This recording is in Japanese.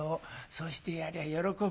そうしてやりゃあ喜ぶよ。